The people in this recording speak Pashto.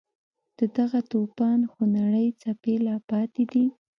د دغه توپان خونړۍ څپې لا پاتې دي.